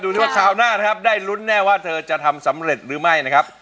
ที่ว่าคราวหน้านะครับได้ลุ้นแน่ว่าเธอจะทำสำเร็จหรือไม่นะครับ